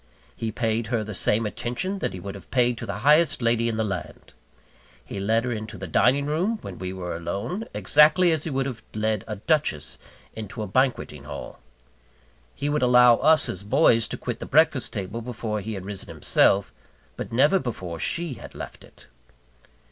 He paid her the same attention that he would have paid to the highest lady in the land. He led her into the dining room, when we were alone, exactly as he would have led a duchess into a banqueting hall. He would allow us, as boys, to quit the breakfast table before he had risen himself; but never before she had left it.